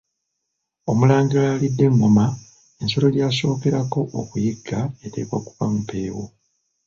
Omulangira alidde engoma ensolo gy’asookerako okuyigga eteekwa kuba mpeewo.